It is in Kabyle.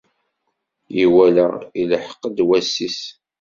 Iwala ileḥq-d wass-is.